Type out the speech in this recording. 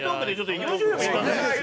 やりましょうよ。